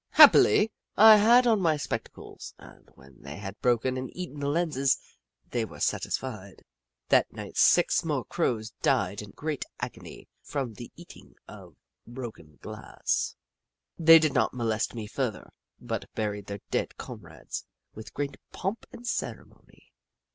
Happily, I had on my spectacles, and when they had broken and eaten the lenses, they were satisfied. That night six more Crows died in great agony from the eat ing of broken glass. They did not molest me further, but buried their dead comrades with great pomp and ceremony.